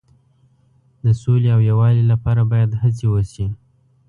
د سولې او یووالي لپاره باید هڅې وشي.